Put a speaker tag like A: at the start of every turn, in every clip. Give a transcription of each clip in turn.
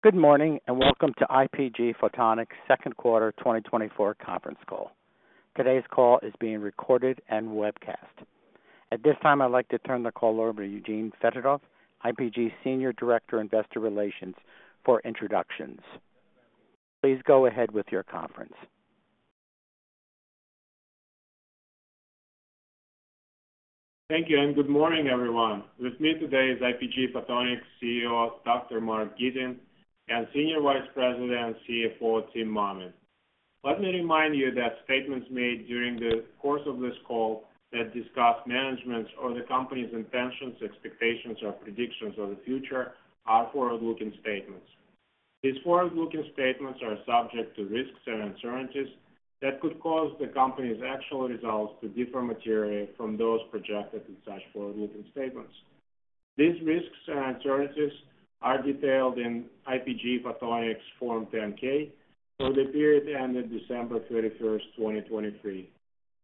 A: Good morning, and welcome to IPG Photonics' second quarter 2024 conference call. Today's call is being recorded and webcast. At this time, I'd like to turn the call over to Eugene Fedotoff, IPG's Senior Director, Investor Relations, for introductions. Please go ahead with your conference.
B: Thank you, and good morning, everyone. With me today is IPG Photonics CEO, Dr. Mark Gitin, and Senior Vice President and CFO, Tim Mammen. Let me remind you that statements made during the course of this call that discuss management's or the company's intentions, expectations, or predictions of the future are forward-looking statements. These forward-looking statements are subject to risks and uncertainties that could cause the company's actual results to differ materially from those projected in such forward-looking statements. These risks and uncertainties are detailed in IPG Photonics Form 10-K for the period ended December 31, 2023,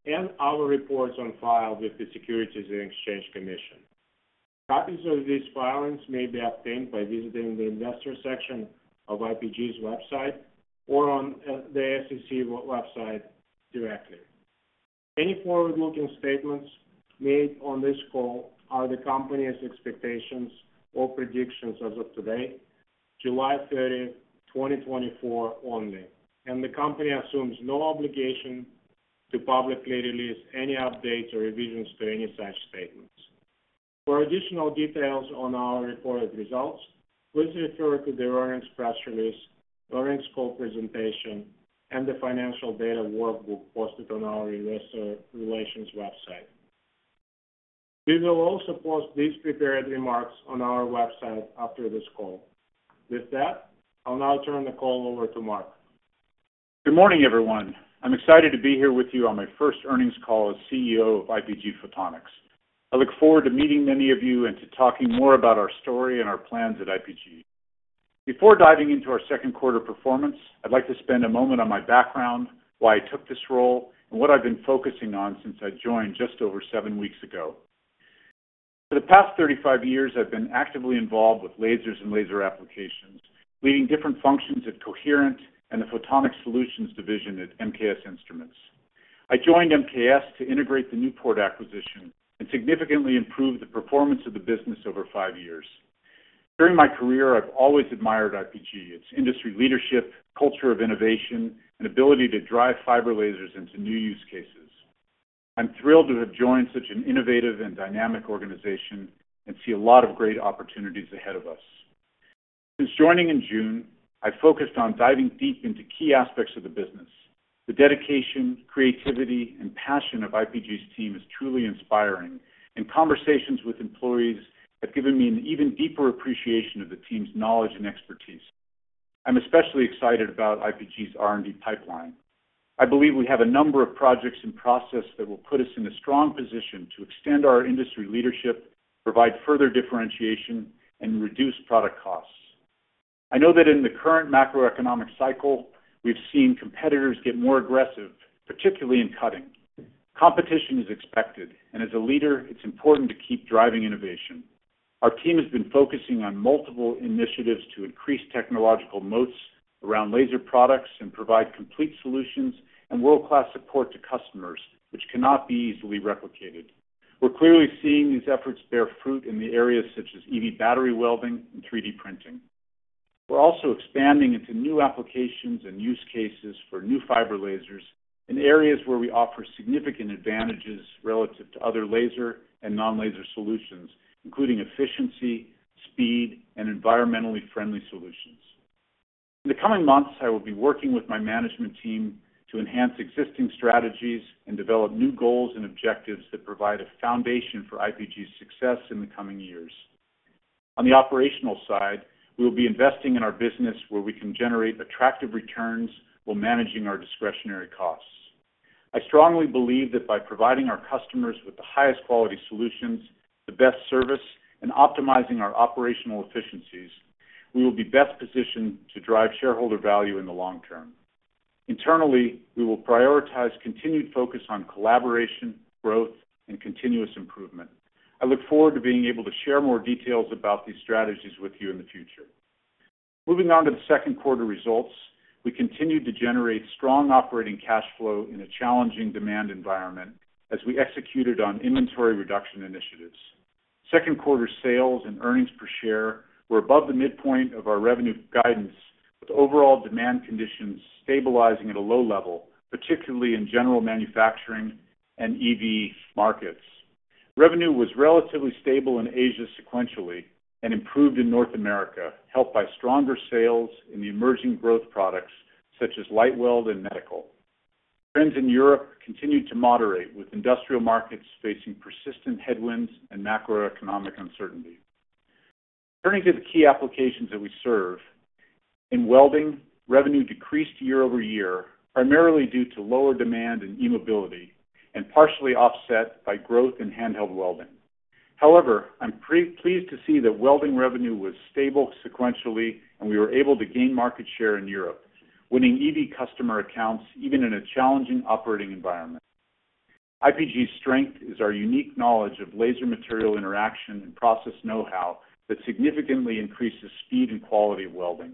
B: and our reports on file with the Securities and Exchange Commission. Copies of these filings may be obtained by visiting the investor section of IPG's website or on the SEC website directly. Any forward-looking statements made on this call are the company's expectations or predictions as of today, July 30th, 2024, only, and the company assumes no obligation to publicly release any updates or revisions to any such statements. For additional details on our reported results, please refer to the earnings press release, earnings call presentation, and the financial data workbook posted on our Investor Relations website. We will also post these prepared remarks on our website after this call. With that, I'll now turn the call over to Mark.
C: Good morning, everyone. I'm excited to be here with you on my first earnings call as CEO of IPG Photonics. I look forward to meeting many of you and to talking more about our story and our plans at IPG. Before diving into our second quarter performance, I'd like to spend a moment on my background, why I took this role, and what I've been focusing on since I joined just over 7 weeks ago. For the past 35 years, I've been actively involved with lasers and laser applications, leading different functions at Coherent and the Photonics Solutions division at MKS Instruments. I joined MKS to integrate the Newport acquisition and significantly improve the performance of the business over 5 years. During my career, I've always admired IPG, its industry leadership, culture of innovation, and ability to drive fiber lasers into new use cases. I'm thrilled to have joined such an innovative and dynamic organization and see a lot of great opportunities ahead of us. Since joining in June, I've focused on diving deep into key aspects of the business. The dedication, creativity, and passion of IPG's team is truly inspiring, and conversations with employees have given me an even deeper appreciation of the team's knowledge and expertise. I'm especially excited about IPG's R&D pipeline. I believe we have a number of projects in process that will put us in a strong position to extend our industry leadership, provide further differentiation, and reduce product costs. I know that in the current macroeconomic cycle, we've seen competitors get more aggressive, particularly in cutting. Competition is expected, and as a leader, it's important to keep driving innovation. Our team has been focusing on multiple initiatives to increase technological moats around laser products and provide complete solutions and world-class support to customers, which cannot be easily replicated. We're clearly seeing these efforts bear fruit in the areas such as EV battery welding and 3D printing. We're also expanding into new applications and use cases for new fiber lasers in areas where we offer significant advantages relative to other laser and non-laser solutions, including efficiency, speed, and environmentally friendly solutions. In the coming months, I will be working with my management team to enhance existing strategies and develop new goals and objectives that provide a foundation for IPG's success in the coming years. On the operational side, we will be investing in our business where we can generate attractive returns while managing our discretionary costs. I strongly believe that by providing our customers with the highest quality solutions, the best service, and optimizing our operational efficiencies, we will be best positioned to drive shareholder value in the long term. Internally, we will prioritize continued focus on collaboration, growth, and continuous improvement. I look forward to being able to share more details about these strategies with you in the future. Moving on to the second quarter results, we continued to generate strong operating cash flow in a challenging demand environment as we executed on inventory reduction initiatives. Second quarter sales and earnings per share were above the midpoint of our revenue guidance, with overall demand conditions stabilizing at a low level, particularly in general manufacturing and EV markets. Revenue was relatively stable in Asia sequentially and improved in North America, helped by stronger sales in the emerging growth products such as LightWELD and Medical. Trends in Europe continued to moderate, with industrial markets facing persistent headwinds and macroeconomic uncertainty. Turning to the key applications that we serve. In welding, revenue decreased year-over-year, primarily due to lower demand in e-mobility and partially offset by growth in handheld welding. However, I'm pleased to see that welding revenue was stable sequentially, and we were able to gain market share in Europe, winning EV customer accounts even in a challenging operating environment.... IPG's strength is our unique knowledge of laser material interaction and process know-how that significantly increases speed and quality of welding.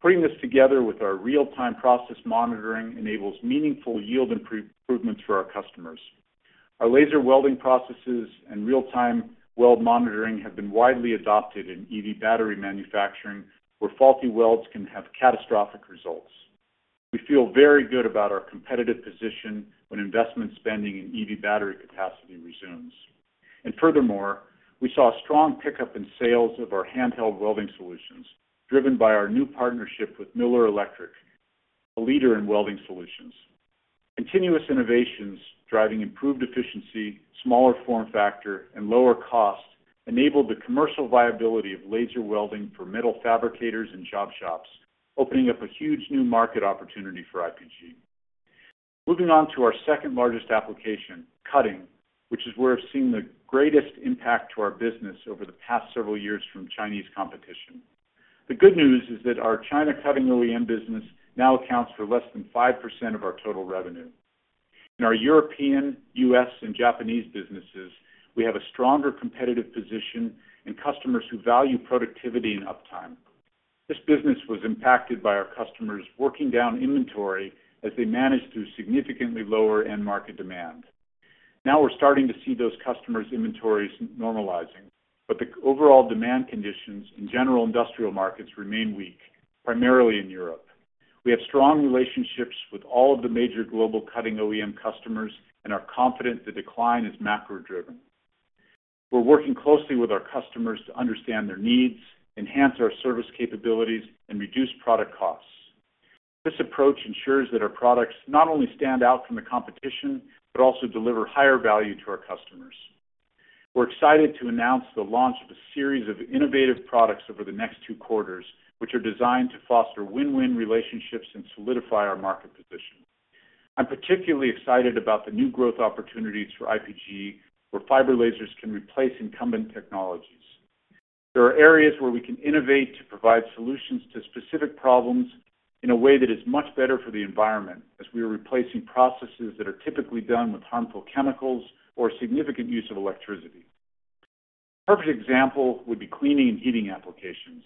C: Putting this together with our real-time process monitoring enables meaningful yield improvements for our customers. Our laser welding processes and real-time weld monitoring have been widely adopted in EV battery manufacturing, where faulty welds can have catastrophic results. We feel very good about our competitive position when investment spending in EV battery capacity resumes. And furthermore, we saw a strong pickup in sales of our handheld welding solutions, driven by our new partnership with Miller Electric, a leader in welding solutions. Continuous innovations driving improved efficiency, smaller form factor, and lower costs enabled the commercial viability of laser welding for metal fabricators and job shops, opening up a huge new market opportunity for IPG. Moving on to our second-largest application, cutting, which is where we've seen the greatest impact to our business over the past several years from Chinese competition. The good news is that our China cutting OEM business now accounts for less than 5% of our total revenue. In our European, U.S., and Japanese businesses, we have a stronger competitive position and customers who value productivity and uptime. This business was impacted by our customers working down inventory as they managed through significantly lower end market demand. Now we're starting to see those customers' inventories normalizing, but the overall demand conditions in general industrial markets remain weak, primarily in Europe. We have strong relationships with all of the major global cutting OEM customers and are confident the decline is macro-driven. We're working closely with our customers to understand their needs, enhance our service capabilities, and reduce product costs. This approach ensures that our products not only stand out from the competition, but also deliver higher value to our customers. We're excited to announce the launch of a series of innovative products over the next two quarters, which are designed to foster win-win relationships and solidify our market position. I'm particularly excited about the new growth opportunities for IPG, where fiber lasers can replace incumbent technologies. There are areas where we can innovate to provide solutions to specific problems in a way that is much better for the environment, as we are replacing processes that are typically done with harmful chemicals or significant use of electricity. A perfect example would be cleaning and heating applications.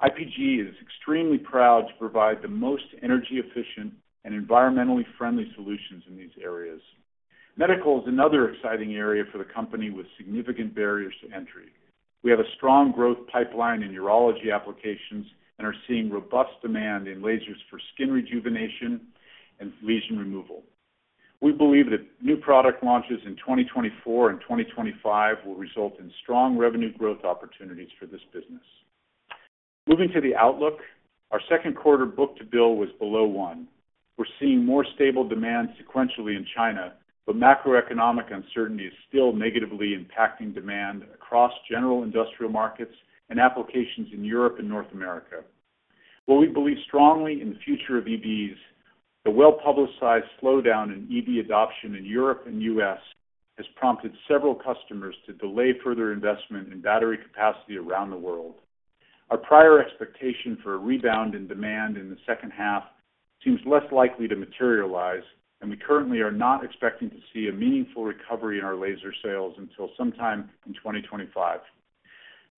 C: IPG is extremely proud to provide the most energy-efficient and environmentally friendly solutions in these areas. Medical is another exciting area for the company with significant barriers to entry. We have a strong growth pipeline in urology applications and are seeing robust demand in lasers for skin rejuvenation and lesion removal. We believe that new product launches in 2024 and 2025 will result in strong revenue growth opportunities for this business. Moving to the outlook, our second quarter book-to-bill was below one. We're seeing more stable demand sequentially in China, but macroeconomic uncertainty is still negatively impacting demand across general industrial markets and applications in Europe and North America. While we believe strongly in the future of EVs, the well-publicized slowdown in EV adoption in Europe and U.S. has prompted several customers to delay further investment in battery capacity around the world. Our prior expectation for a rebound in demand in the second half seems less likely to materialize, and we currently are not expecting to see a meaningful recovery in our laser sales until sometime in 2025.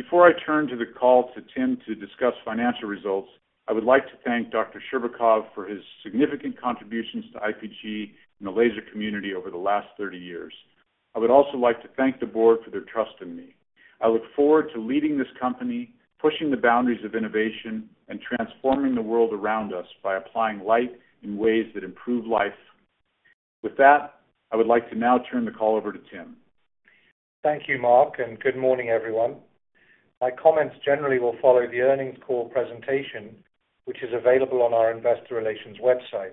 C: Before I turn to the call to Tim to discuss financial results, I would like to thank Dr. Scherbakov for his significant contributions to IPG and the laser community over the last 30 years. I would also like to thank the board for their trust in me. I look forward to leading this company, pushing the boundaries of innovation, and transforming the world around us by applying light in ways that improve life. With that, I would like to now turn the call over to Tim.
D: Thank you, Mark, and good morning, everyone. My comments generally will follow the earnings call presentation, which is available on our investor relations website.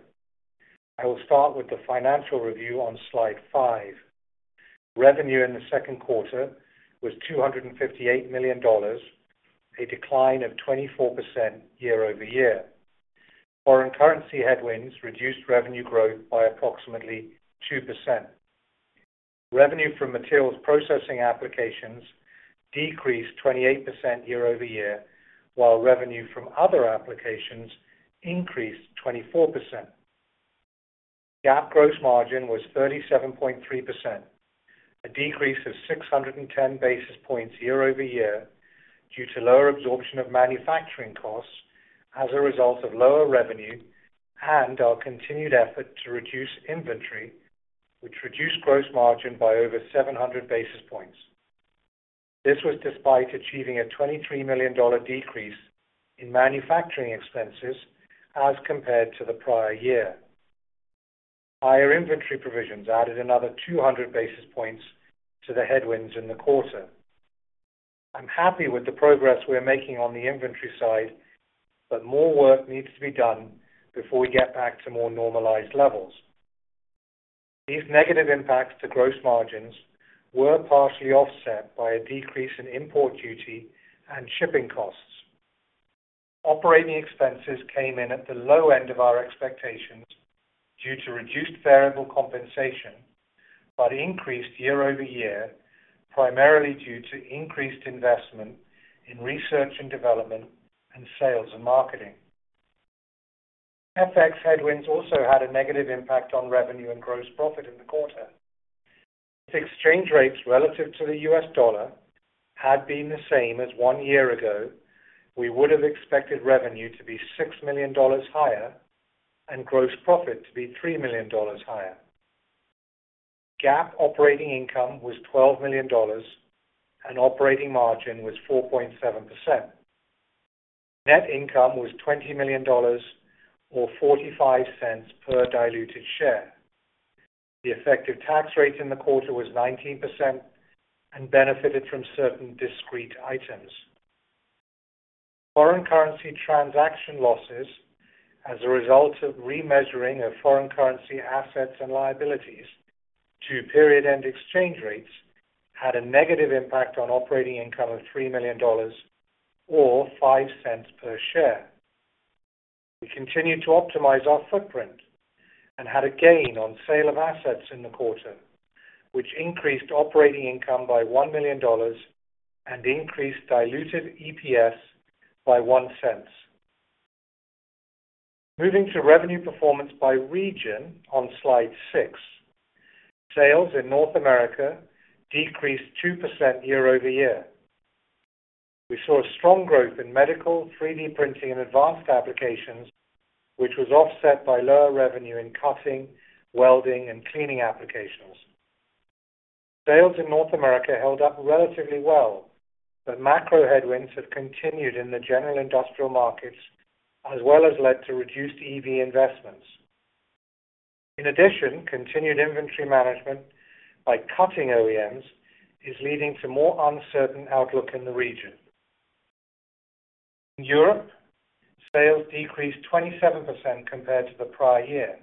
D: I will start with the financial review on slide 5. Revenue in the second quarter was $258 million, a decline of 24% year-over-year. Foreign currency headwinds reduced revenue growth by approximately 2%. Revenue from materials processing applications decreased 28% year-over-year, while revenue from other applications increased 24%. GAAP gross margin was 37.3%, a decrease of 610 basis points year-over-year due to lower absorption of manufacturing costs as a result of lower revenue and our continued effort to reduce inventory, which reduced gross margin by over 700 basis points. This was despite achieving a $23 million decrease in manufacturing expenses as compared to the prior year. Higher inventory provisions added another 200 basis points to the headwinds in the quarter. I'm happy with the progress we are making on the inventory side, but more work needs to be done before we get back to more normalized levels. These negative impacts to gross margins were partially offset by a decrease in import duty and shipping costs. Operating expenses came in at the low end of our expectations due to reduced variable compensation, but increased year-over-year, primarily due to increased investment in research and development and sales and marketing.... FX headwinds also had a negative impact on revenue and gross profit in the quarter. If exchange rates relative to the US dollar had been the same as one year ago, we would have expected revenue to be $6 million higher and gross profit to be $3 million higher. GAAP operating income was $12 million, and operating margin was 4.7%. Net income was $20 million, or $0.45 per diluted share. The effective tax rate in the quarter was 19% and benefited from certain discrete items. Foreign currency transaction losses as a result of remeasuring of foreign currency assets and liabilities to period-end exchange rates, had a negative impact on operating income of $3 million or $0.05 per share. We continued to optimize our footprint and had a gain on sale of assets in the quarter, which increased operating income by $1 million and increased diluted EPS by $0.01. Moving to revenue performance by region on slide 6. Sales in North America decreased 2% year-over-year. We saw a strong growth in medical, 3D printing, and advanced applications, which was offset by lower revenue in cutting, welding, and cleaning applications. Sales in North America held up relatively well, but macro headwinds have continued in the general industrial markets as well as led to reduced EV investments. In addition, continued inventory management by cutting OEMs is leading to more uncertain outlook in the region. In Europe, sales decreased 27% compared to the prior year.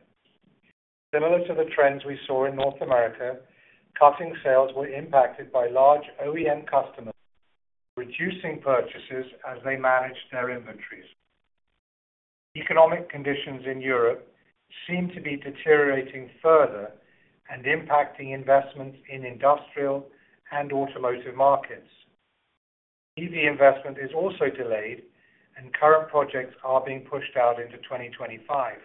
D: Similar to the trends we saw in North America, cutting sales were impacted by large OEM customers reducing purchases as they managed their inventories. Economic conditions in Europe seem to be deteriorating further and impacting investments in industrial and automotive markets. EV investment is also delayed, and current projects are being pushed out into 2025.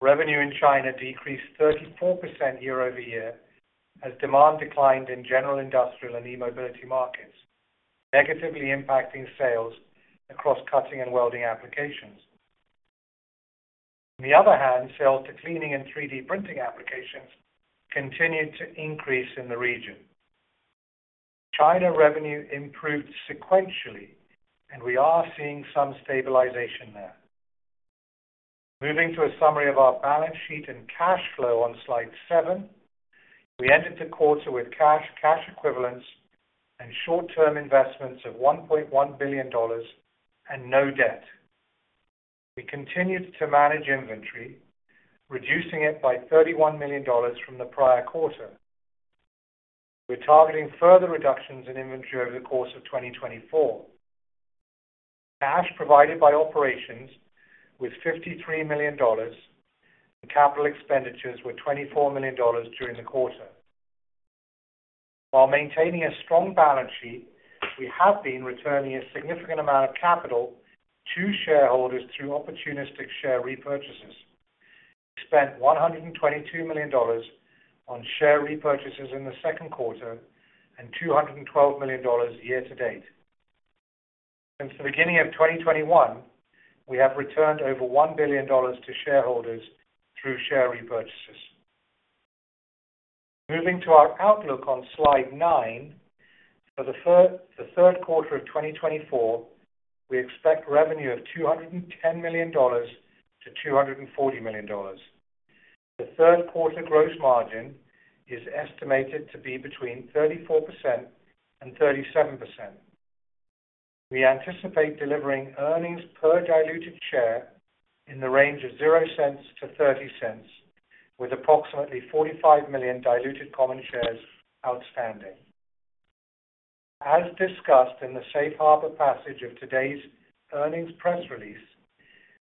D: Revenue in China decreased 34% year-over-year, as demand declined in general industrial and e-mobility markets, negatively impacting sales across cutting and welding applications. On the other hand, sales to cleaning and 3D printing applications continued to increase in the region. China revenue improved sequentially, and we are seeing some stabilization there. Moving to a summary of our balance sheet and cash flow on slide 7. We entered the quarter with cash, cash equivalents, and short-term investments of $1.1 billion and no debt. We continued to manage inventory, reducing it by $31 million from the prior quarter. We're targeting further reductions in inventory over the course of 2024. Cash provided by operations was $53 million, and capital expenditures were $24 million during the quarter. While maintaining a strong balance sheet, we have been returning a significant amount of capital to shareholders through opportunistic share repurchases. We spent $122 million on share repurchases in the second quarter and $212 million year to date. Since the beginning of 2021, we have returned over $1 billion to shareholders through share repurchases. Moving to our outlook on slide 9. For the third quarter of 2024, we expect revenue of $210 million-$240 million. The third quarter gross margin is estimated to be between 34% and 37%. We anticipate delivering earnings per diluted share in the range of $0-$0.30, with approximately 45 million diluted common shares outstanding. As discussed in the Safe Harbor passage of today's earnings press release,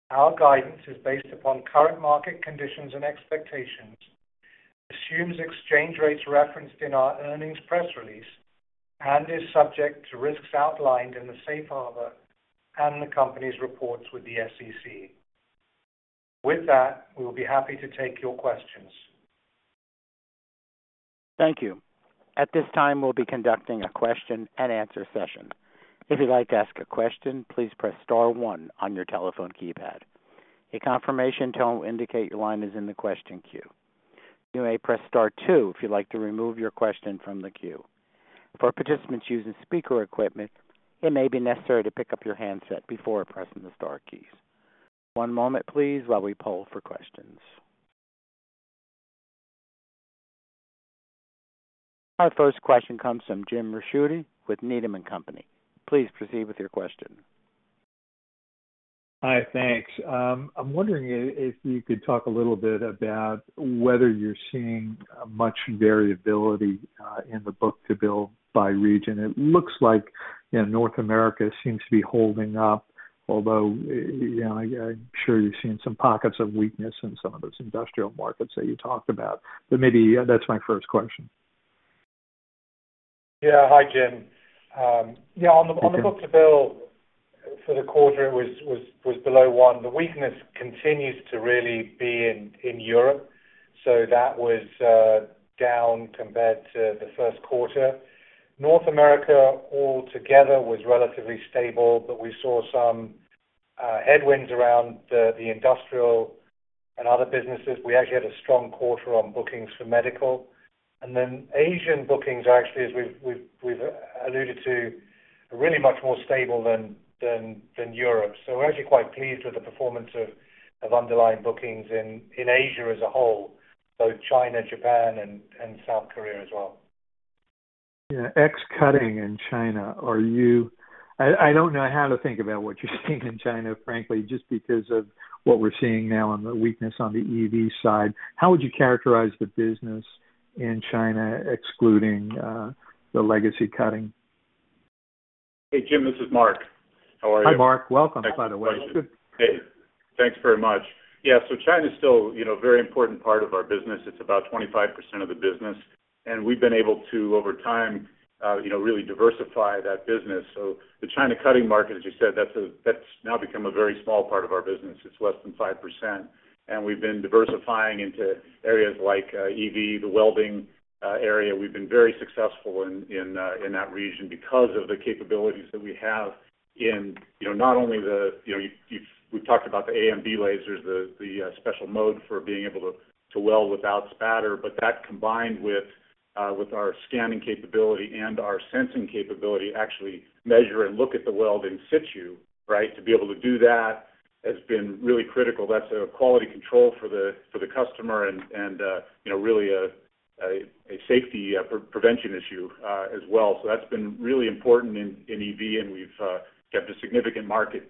D: our guidance is based upon current market conditions and expectations, assumes exchange rates referenced in our earnings press release, and is subject to risks outlined in the Safe Harbor and the company's reports with the SEC. With that, we will be happy to take your questions.
A: Thank you. At this time, we'll be conducting a question and answer session. If you'd like to ask a question, please press star one on your telephone keypad. A confirmation tone will indicate your line is in the question queue. You may press star two if you'd like to remove your question from the queue. For participants using speaker equipment, it may be necessary to pick up your handset before pressing the star keys. One moment, please, while we poll for questions. Our first question comes from James Ricchiuti with Needham & Company. Please proceed with your question.
E: Hi, thanks. I'm wondering if you could talk a little bit about whether you're seeing much variability in the book-to-bill by region. It looks like, you know, North America seems to be holding up, although, you know, I'm sure you've seen some pockets of weakness in some of those industrial markets that you talked about. Maybe that's my first question....
D: Yeah. Hi, James. Yeah, on the book-to-bill for the quarter, it was below 1. The weakness continues to really be in Europe, so that was down compared to the first quarter. North America altogether was relatively stable, but we saw some headwinds around the industrial and other businesses. We actually had a strong quarter on bookings for medical. And then Asian bookings, actually, as we've alluded to, are really much more stable than Europe. So we're actually quite pleased with the performance of underlying bookings in Asia as a whole, both China, Japan, and South Korea as well.
E: Yeah. Excluding cutting in China, I don't know how to think about what you're seeing in China, frankly, just because of what we're seeing now on the weakness on the EV side. How would you characterize the business in China, excluding the legacy cutting?
C: Hey, James, this is Mark. How are you?
E: Hi, Mark. Welcome, by the way.
C: Hey, thanks very much. Yeah, so China is still, you know, a very important part of our business. It's about 25% of the business, and we've been able to, over time, really diversify that business. So the China cutting market, as you said, that's now become a very small part of our business. It's less than 5%. And we've been diversifying into areas like, EV, the welding, area. We've been very successful in that region because of the capabilities that we have in, you know, not only the, you know, we've talked about the AMB lasers, the special mode for being able to weld without spatter. But that, combined with, with our scanning capability and our sensing capability, actually measure and look at the weld in situ, right? To be able to do that has been really critical. That's a quality control for the customer and, you know, really a safety prevention issue, as well. So that's been really important in EV, and we've kept a significant market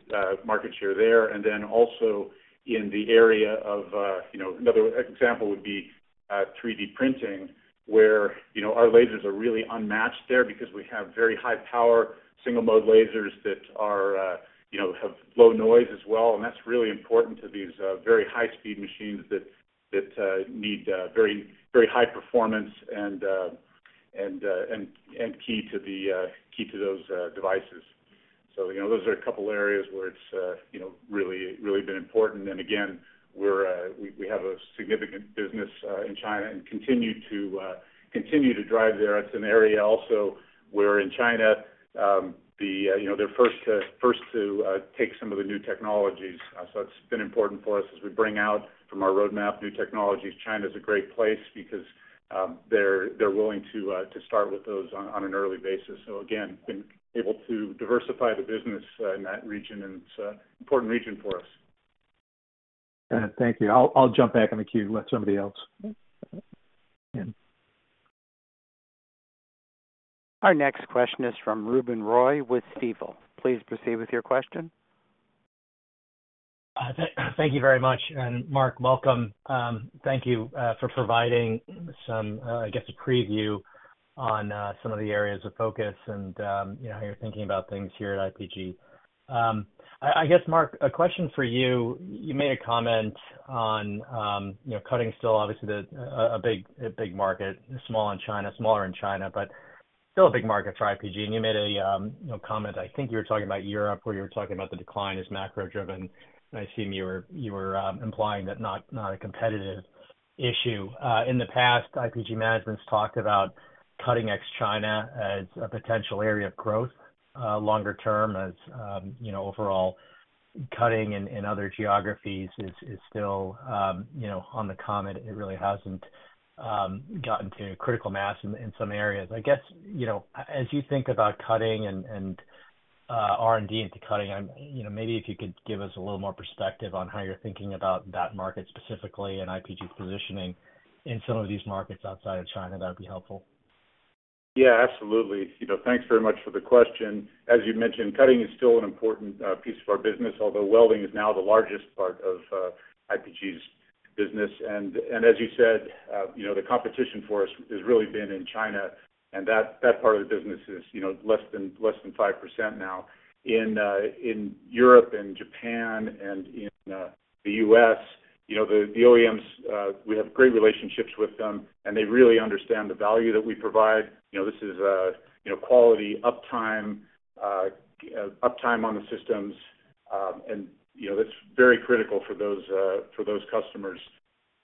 C: share there. And then also in the area of, you know, another example would be 3D printing, where, you know, our lasers are really unmatched there because we have very high power, single-mode lasers that are, you know, have low noise as well. And that's really important to these very high-speed machines that need very, very high performance and key to those devices. So, you know, those are a couple of areas where it's, you know, really, really been important. Again, we have a significant business in China and continue to drive there. It's an area also where in China, you know, they're first to take some of the new technologies. So it's been important for us as we bring out from our roadmap new technologies. China's a great place because they're willing to start with those on an early basis. So again, been able to diversify the business in that region, and it's an important region for us.
E: Thank you. I'll jump back on the queue and let somebody else in.
A: Our next question is from Ruben Roy with Stifel. Please proceed with your question.
F: Thank you very much, and Mark, welcome. Thank you for providing some, I guess, a preview on some of the areas of focus and, you know, how you're thinking about things here at IPG. I guess, Mark, a question for you. You made a comment on, you know, cutting still obviously the big market, smaller in China, but still a big market for IPG. And you made a, you know, comment, I think you were talking about Europe, where you were talking about the decline is macro driven. And I assume you were implying that not a competitive issue. In the past, IPG management's talked about cutting ex China as a potential area of growth, longer term as, you know, overall cutting in, in other geographies is, is still, you know, on the come. It really hasn't gotten to critical mass in, in some areas. I guess, you know, as you think about cutting and, and, R&D into cutting, you know, maybe if you could give us a little more perspective on how you're thinking about that market specifically and IPG's positioning in some of these markets outside of China, that would be helpful.
C: Yeah, absolutely. You know, thanks very much for the question. As you mentioned, cutting is still an important piece of our business, although welding is now the largest part of IPG's business. And as you said, you know, the competition for us has really been in China, and that part of the business is, you know, less than 5% now. In Europe and Japan and in the U.S., you know, the OEMs, we have great relationships with them, and they really understand the value that we provide. You know, this is, you know, quality, uptime, uptime on the systems, and, you know, that's very critical for those customers.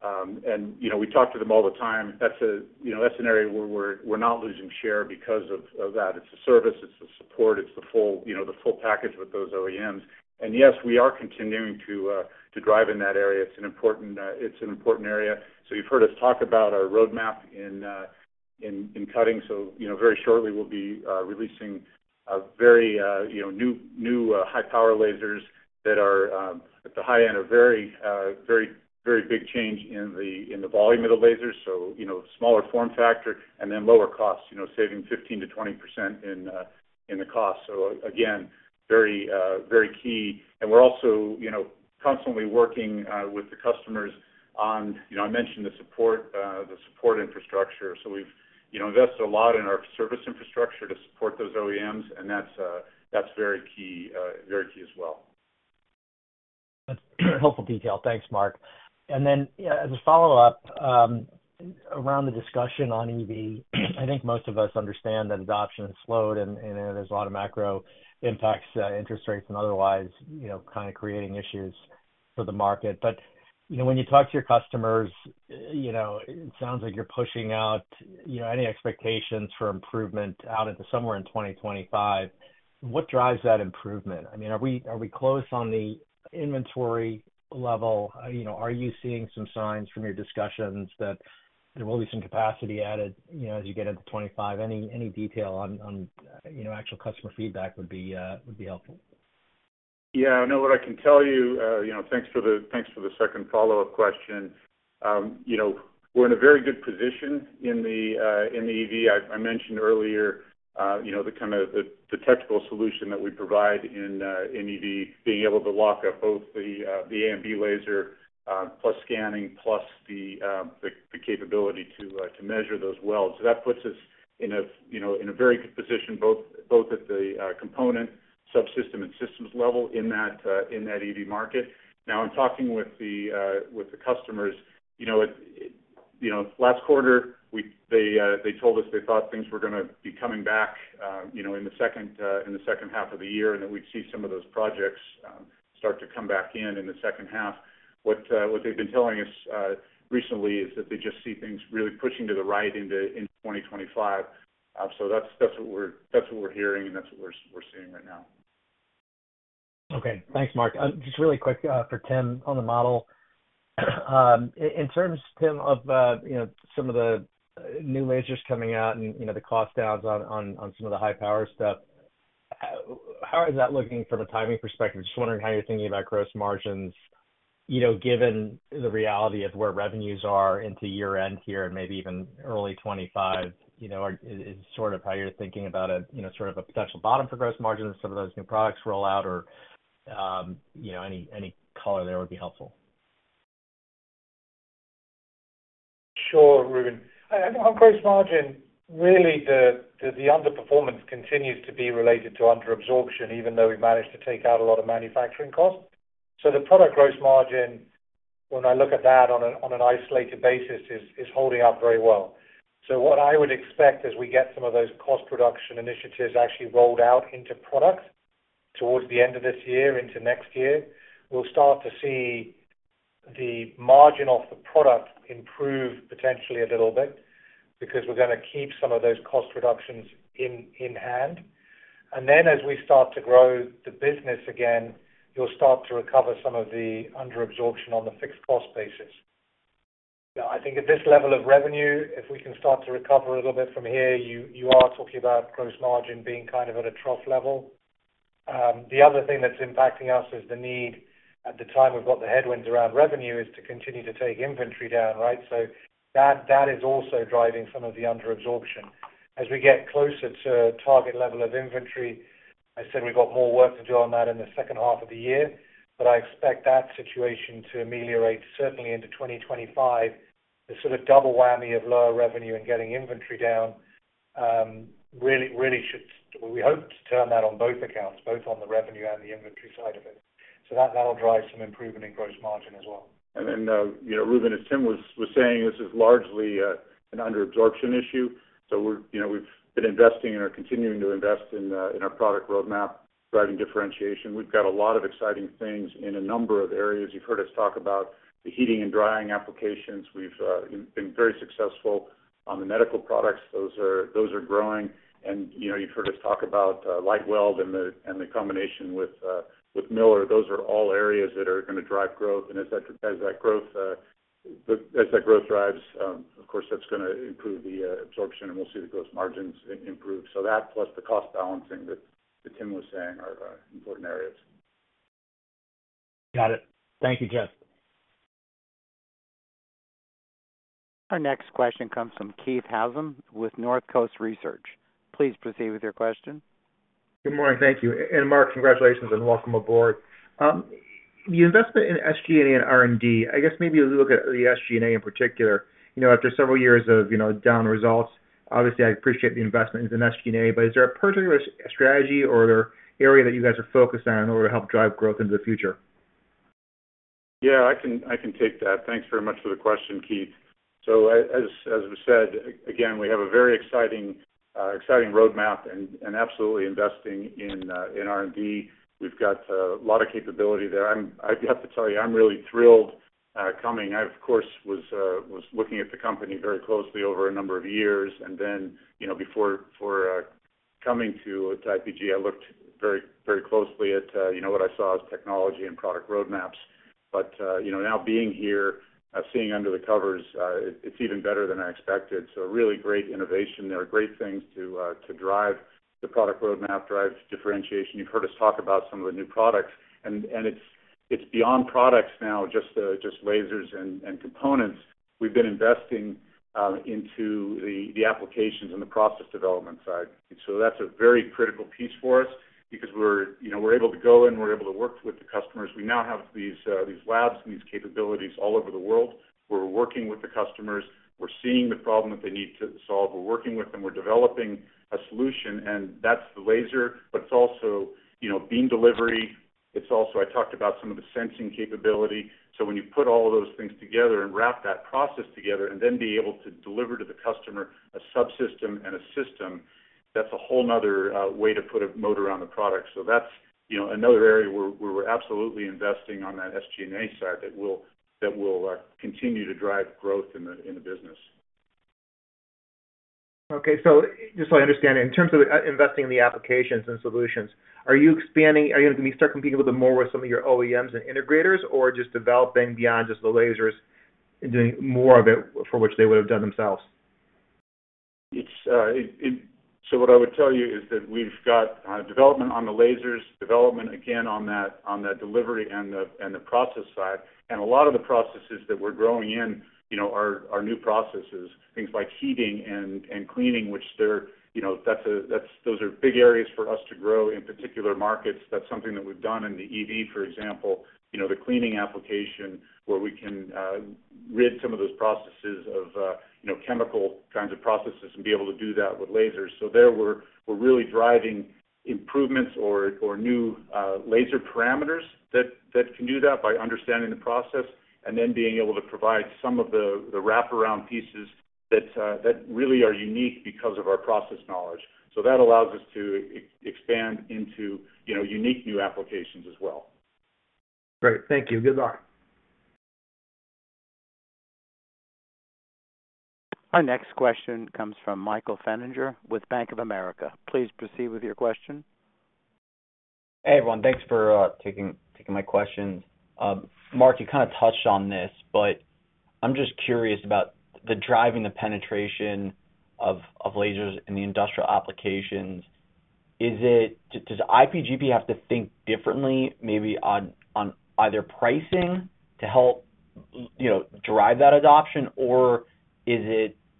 C: And, you know, we talk to them all the time. That's, you know, that's an area where we're not losing share because of that. It's the service, it's the support, it's the full, you know, the full package with those OEMs. And yes, we are continuing to drive in that area. It's an important, it's an important area. So you've heard us talk about our roadmap in cutting. So, you know, very shortly we'll be releasing a very, you know, new high-power lasers that are at the high end, a very, very, very big change in the volume of the lasers. So, you know, smaller form factor and then lower costs, you know, saving 15%-20% in the cost. So again, very key. And we're also, you know, constantly working with the customers on... You know, I mentioned the support, the support infrastructure. So we've, you know, invested a lot in our service infrastructure to support those OEMs, and that's, that's very key, very key as well....
F: helpful detail. Thanks, Mark. And then, yeah, as a follow-up, around the discussion on EV, I think most of us understand that adoption has slowed and there's a lot of macro impacts, interest rates and otherwise, you know, kind of creating issues for the market. But, you know, when you talk to your customers, you know, it sounds like you're pushing out, you know, any expectations for improvement out into somewhere in 2025. What drives that improvement? I mean, are we, are we close on the inventory level? You know, are you seeing some signs from your discussions that there will be some capacity added, you know, as you get into 2025? Any detail on, you know, actual customer feedback would be helpful.
C: Yeah, no, what I can tell you, you know, thanks for the, thanks for the second follow-up question. You know, we're in a very good position in the EV. I mentioned earlier, you know, the kind of the technical solution that we provide in EV, being able to lock up both the AMB laser, plus scanning, plus the capability to measure those welds. So that puts us in a, you know, in a very good position, both at the component, subsystem and systems level in that EV market. Now, in talking with the customers, you know, last quarter, they told us they thought things were gonna be coming back, you know, in the second half of the year, and that we'd see some of those projects start to come back in the second half. What they've been telling us recently is that they just see things really pushing to the right into 2025. So that's what we're hearing, and that's what we're seeing right now.
F: Okay. Thanks, Mark. Just really quick, for Tim on the model. In terms, Tim, of, you know, some of the new lasers coming out and, you know, the cost downs on some of the high power stuff, how is that looking from a timing perspective? Just wondering how you're thinking about gross margins, you know, given the reality of where revenues are into year-end here and maybe even early 2025, you know, is sort of how you're thinking about it, you know, sort of a potential bottom for gross margins, some of those new products roll out or, you know, any color there would be helpful.
D: Sure, Ruben. On gross margin, really the underperformance continues to be related to under absorption, even though we've managed to take out a lot of manufacturing costs. So the product gross margin, when I look at that on an isolated basis, is holding up very well. So what I would expect as we get some of those cost production initiatives actually rolled out into products towards the end of this year into next year, we'll start to see the margin off the product improve potentially a little bit, because we're gonna keep some of those cost reductions in hand. And then, as we start to grow the business again, you'll start to recover some of the under absorption on the fixed cost basis. I think at this level of revenue, if we can start to recover a little bit from here, you are talking about gross margin being kind of at a trough level. The other thing that's impacting us is the need, at the time we've got the headwinds around revenue, is to continue to take inventory down, right? So that is also driving some of the under absorption. As we get closer to target level of inventory, I said we've got more work to do on that in the second half of the year, but I expect that situation to ameliorate certainly into 2025. The sort of double whammy of lower revenue and getting inventory down, really should, we hope to turn that on both accounts, both on the revenue and the inventory side of it. So that, that'll drive some improvement in gross margin as well.
C: And then, you know, Ruben, as Tim was saying, this is largely an under absorption issue, so we're, you know, we've been investing and are continuing to invest in our product roadmap, driving differentiation. We've got a lot of exciting things in a number of areas. You've heard us talk about the heating and drying applications. We've been very successful on the medical products. Those are growing. And, you know, you've heard us talk about LightWELD and the combination with Miller. Those are all areas that are gonna drive growth. And as that growth drives, of course, that's gonna improve the absorption, and we'll see the gross margins improve. So that plus the cost balancing that Tim was saying are important areas.
F: Got it. Thank you, Jeff.
A: Our next question comes from Keith Housum with Northcoast Research. Please proceed with your question.
G: Good morning, thank you. Mark, congratulations, and welcome aboard. The investment in SG&A and R&D, I guess maybe as we look at the SG&A in particular, you know, after several years of, you know, down results, obviously, I appreciate the investment in SG&A, but is there a particular strategy or area that you guys are focused on in order to help drive growth into the future?
C: Yeah, I can take that. Thanks very much for the question, Keith. So as we said, again, we have a very exciting roadmap and absolutely investing in R&D. We've got a lot of capability there. I've got to tell you, I'm really thrilled coming. I, of course, was looking at the company very closely over a number of years, and then, you know, before coming to IPG, I looked very closely at, you know, what I saw as technology and product roadmaps. But, you know, now being here, seeing under the covers, it's even better than I expected. So really great innovation. There are great things to drive the product roadmap, drive differentiation. You've heard us talk about some of the new products, and it's beyond products now, just lasers and components. We've been investing into the applications and the process development side. So that's a very critical piece for us because we're, you know, we're able to go and we're able to work with the customers. We now have these labs and these capabilities all over the world. We're working with the customers. We're seeing the problem that they need to solve. We're working with them. We're developing a solution, and that's the laser, but it's also, you know, beam delivery. It's also, I talked about some of the sensing capability. So when you put all of those things together and wrap that process together, and then be able to deliver to the customer a subsystem and a system, that's a whole another way to put a motor on the product. So that's, you know, another area where we're absolutely investing on that SG&A side that will continue to drive growth in the business.
G: Okay. So just so I understand, in terms of investing in the applications and solutions, are you gonna start competing a little more with some of your OEMs and integrators, or just developing beyond just the lasers and doing more of it for which they would have done themselves?
C: It's so what I would tell you is that we've got development on the lasers, development again, on that, on that delivery and the, and the process side. And a lot of the processes that we're growing in, you know, are new processes, things like heating and cleaning, which they're, you know, that's a, that's—those are big areas for us to grow in particular markets. That's something that we've done in the EV, for example, you know, the cleaning application, where we can rid some of those processes of, you know, chemical kinds of processes and be able to do that with lasers. So, we're really driving improvements or new laser parameters that can do that by understanding the process, and then being able to provide some of the wraparound pieces that really are unique because of our process knowledge. So that allows us to expand into, you know, unique new applications as well.
G: Great. Thank you. Goodbye.
A: Our next question comes from Michael Feniger with Bank of America. Please proceed with your question.
H: Hey, everyone. Thanks for taking my question. Mark, you kind of touched on this, but I'm just curious about driving the penetration of lasers in the industrial applications. Is it—does IPG have to think differently, maybe on either pricing to help, you know, drive that adoption? Or is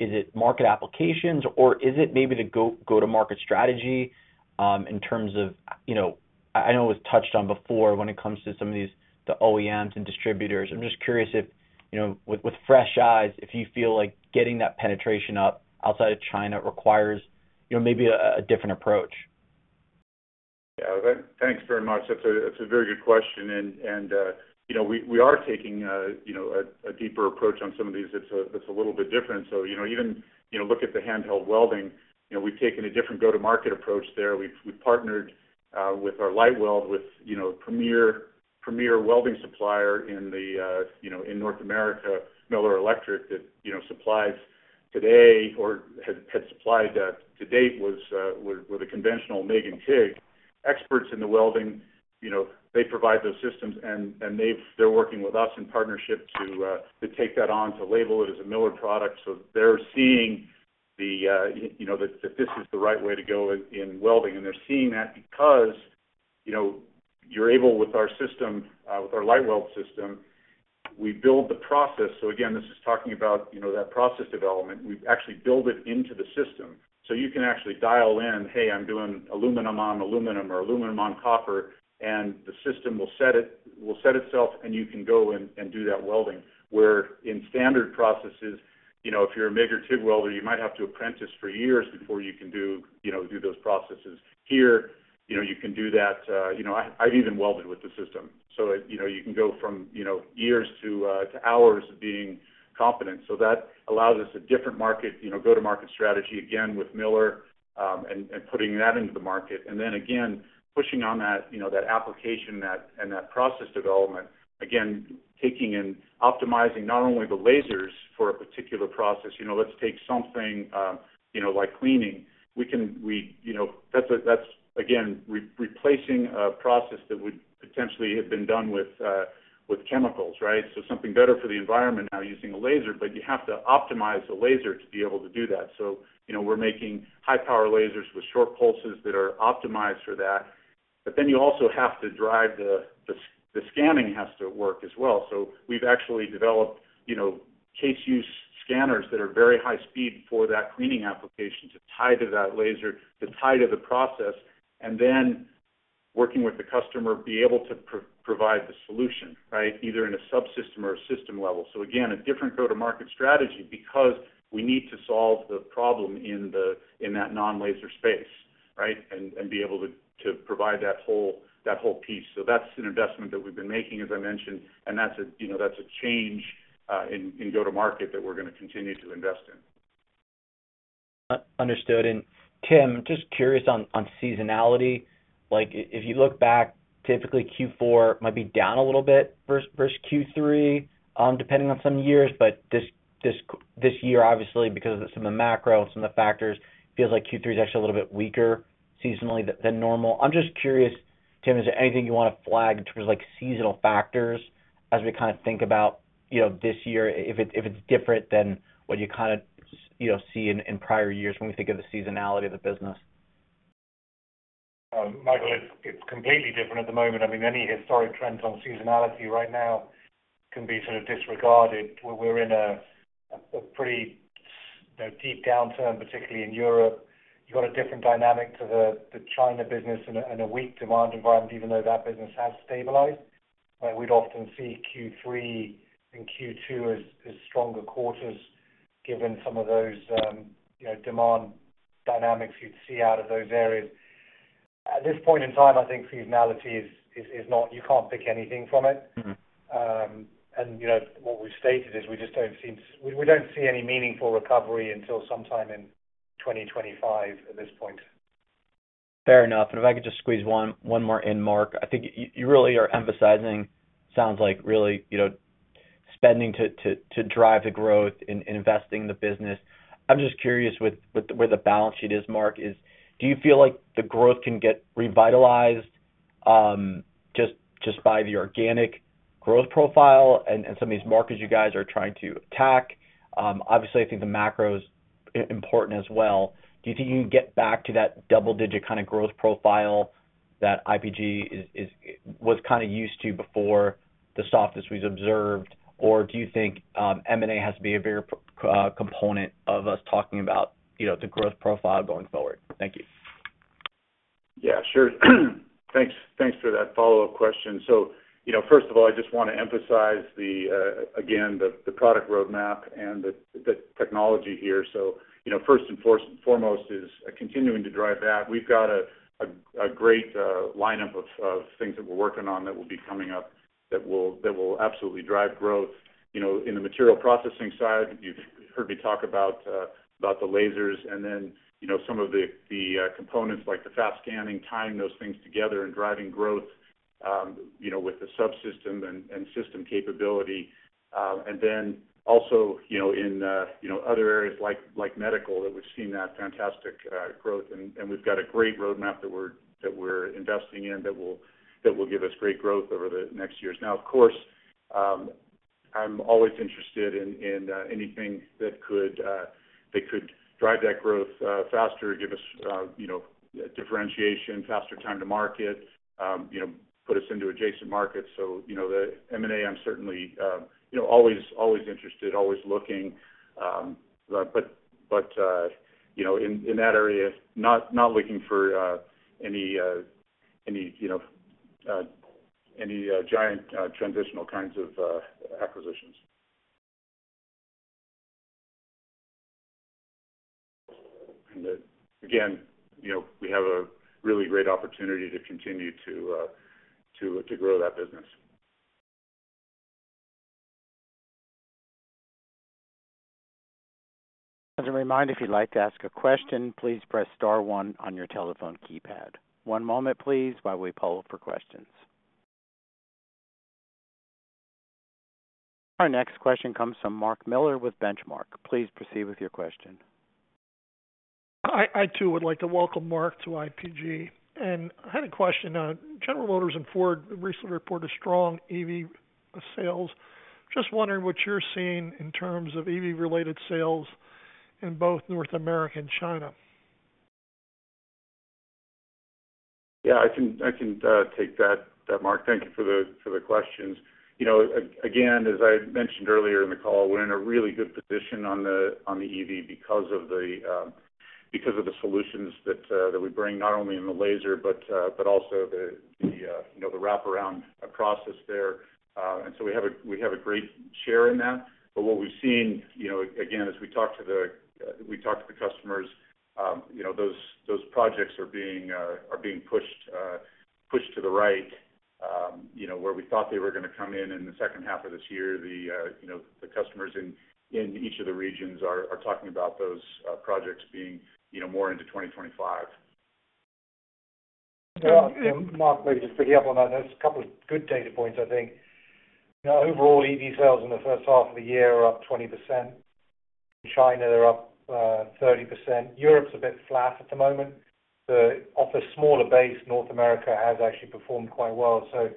H: it market applications, or is it maybe the go-to market strategy, in terms of, you know? I know it was touched on before when it comes to some of these, the OEMs and distributors. I'm just curious if, you know, with fresh eyes, if you feel like getting that penetration up outside of China requires, you know, maybe a different approach.
C: Yeah. Thanks very much. That's a very good question. And you know, we are taking you know, a deeper approach on some of these that's a little bit different. So you know, even you know, look at the handheld welding, you know, we've taken a different go-to-market approach there. We've partnered with our LightWELD, with you know, premier welding supplier in the you know, in North America, Miller Electric, that you know, supplies today or had supplied to date, was with a conventional MIG and TIG. Experts in the welding, you know, they provide those systems, and they've, they're working with us in partnership to take that on, to label it as a Miller product. So they're seeing the, you know, that this is the right way to go in welding. And they're seeing that because, you know, you're able, with our system, with our LightWELD system, we build the process. So again, this is talking about, you know, that process development. We've actually built it into the system. So you can actually dial in, "Hey, I'm doing aluminum on aluminum or aluminum on copper," and the system will set itself, and you can go and do that welding. Where in standard processes, you know, if you're a MIG or TIG welder, you might have to apprentice for years before you can do, you know, those processes. Here, you know, you can do that. You know, I've even welded with the system. So, you know, you can go from, you know, years to, to hours of being competent. So that allows us a different market, you know, go-to-market strategy, again, with Miller, and putting that into the market. And then again, pushing on that, you know, that application, and that process development, again, taking and optimizing not only the lasers for a particular process. You know, let's take something, you know, like cleaning. We can, you know, that's, again, replacing a process that would potentially have been done with, with chemicals, right? So something better for the environment now using a laser, but you have to optimize the laser to be able to do that. So, you know, we're making high-power lasers with short pulses that are optimized for that. But then you also have to drive the scanning has to work as well. So we've actually developed, you know, use case scanners that are very high speed for that cleaning application to tie to that laser, to tie to the process, and then working with the customer, be able to provide the solution, right? Either in a subsystem or a system level. So again, a different go-to-market strategy because we need to solve the problem in the, in that non-laser space, right? And be able to provide that whole, that whole piece. So that's an investment that we've been making, as I mentioned, and that's a, you know, that's a change in go-to-market that we're gonna continue to invest in.
H: Understood. And Tim, just curious on seasonality. Like, if you look back, typically Q4 might be down a little bit versus Q3, depending on some years. But this year, obviously, because of some of the macro and some of the factors, it feels like Q3 is actually a little bit weaker seasonally than normal. I'm just curious, Tim, is there anything you want to flag in terms of, like, seasonal factors as we kind of think about, you know, this year, if it's different than what you kind of, you know, see in prior years when we think of the seasonality of the business?
C: Michael, it's completely different at the moment. I mean, any historic trends on seasonality right now can be sort of disregarded. We're in a pretty, you know, deep downturn, particularly in Europe. You've got a different dynamic to the China business and a weak demand environment, even though that business has stabilized. We'd often see Q3 and Q2 as stronger quarters. ...
D: given some of those, you know, demand dynamics you'd see out of those areas. At this point in time, I think seasonality is not. You can't pick anything from it.
H: Mm-hmm.
D: You know, what we've stated is we just don't see any meaningful recovery until sometime in 2025 at this point.
H: Fair enough. And if I could just squeeze one more in, Mark. I think you really are emphasizing, sounds like really, you know, spending to drive the growth in investing in the business. I'm just curious with where the balance sheet is, Mark, is do you feel like the growth can get revitalized just by the organic growth profile and some of these markets you guys are trying to attack? Obviously, I think the macro is important as well. Do you think you can get back to that double-digit kind of growth profile that IPG is was kind of used to before the softness was observed? Or do you think M&A has to be a very component of us talking about, you know, the growth profile going forward? Thank you.
C: Yeah, sure. Thanks, thanks for that follow-up question. So, you know, first of all, I just want to emphasize the, again, the product roadmap and the technology here. So, you know, first and foremost is continuing to drive that. We've got a great lineup of things that we're working on that will be coming up that will absolutely drive growth. You know, in the material processing side, you've heard me talk about the lasers and then, you know, some of the components like the fast scanning, tying those things together and driving growth, you know, with the subsystem and system capability. And then also, you know, in other areas like medical, that we've seen that fantastic growth. We've got a great roadmap that we're investing in, that will give us great growth over the next years. Now, of course, I'm always interested in anything that could drive that growth faster, give us, you know, differentiation, faster time to market, you know, put us into adjacent markets. So, you know, the M&A, I'm certainly, you know, always interested, always looking. But, you know, in that area, not looking for any, you know, any giant transitional kinds of acquisitions. And again, you know, we have a really great opportunity to continue to grow that business.
A: As a reminder, if you'd like to ask a question, please press star one on your telephone keypad. One moment, please, while we poll for questions. Our next question comes from Mark Miller with Benchmark. Please proceed with your question.
I: I too would like to welcome Mark to IPG, and I had a question. General Motors and Ford recently reported strong EV sales. Just wondering what you're seeing in terms of EV-related sales in both North America and China?
C: Yeah, I can take that, Mark. Thank you for the questions. You know, again, as I mentioned earlier in the call, we're in a really good position on the EV because of the solutions that we bring, not only in the laser but also the wraparound process there. And so we have a great share in that. But what we've seen, you know, again, as we talk to the customers, you know, those projects are being pushed to the right. You know, where we thought they were gonna come in in the second half of this year, you know, the customers in each of the regions are talking about those projects being, you know, more into 2025.
D: Yeah, Mark, maybe just to follow up on that, there's a couple of good data points, I think. You know, overall, EV sales in the first half of the year are up 20%. China, they're up thirty percent. Europe's a bit flat at the moment. The off a smaller base, North America has actually performed quite well. So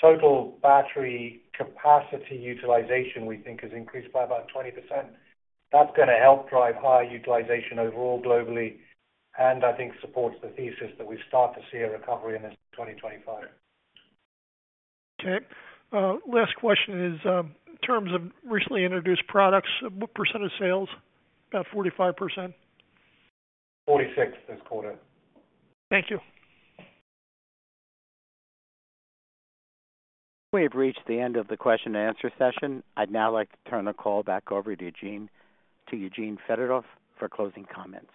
D: total battery capacity utilization, we think, has increased by about 20%. That's gonna help drive higher utilization overall globally, and I think supports the thesis that we start to see a recovery in this 2025.
I: Okay. Last question is, in terms of recently introduced products, what percent of sales? About 45%?
D: 46 this quarter.
I: Thank you.
A: We have reached the end of the question and answer session. I'd now like to turn the call back over to Eugene, to Eugene Fedotoff for closing comments.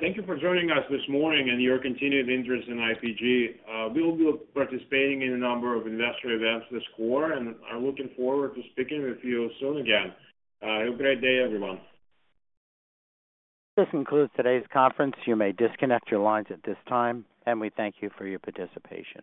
H: Thank you for joining us this morning and your continued interest in IPG. We will be participating in a number of investor events this quarter, and I'm looking forward to speaking with you soon again. Have a great day, everyone.
A: This concludes today's conference. You may disconnect your lines at this time, and we thank you for your participation.